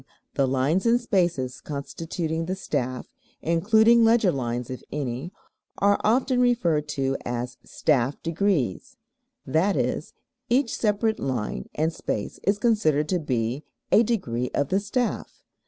The lines and spaces constituting the staff (including leger lines if any) are often referred to as staff degrees, i.e., each separate line and space is considered to be "a degree of the staff."